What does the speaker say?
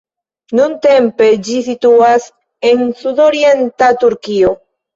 Nuntempe ĝi situas en sudorienta Turkio.